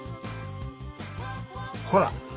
ほら！